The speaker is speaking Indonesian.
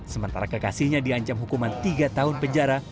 sementara kekasihnya diancam hukuman tiga tahun penjara